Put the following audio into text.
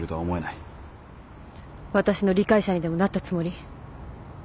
私の理解者にでもなったつもり？